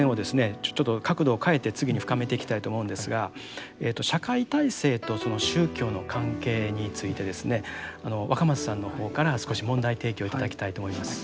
ちょっと角度を変えて次に深めていきたいと思うんですが社会体制と宗教の関係についてですね若松さんの方から少し問題提起を頂きたいと思います。